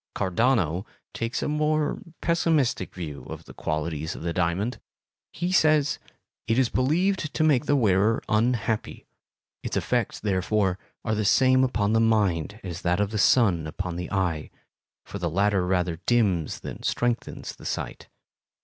Cardano takes a more pessimistic view of the qualities of the diamond. He says: It is believed to make the wearer unhappy; its effects therefore are the same upon the mind as that of the sun upon the eye, for the latter rather dims than strengthens the sight.